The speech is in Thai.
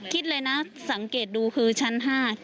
คิดเลยนะสังเกตดูคือชั้น๕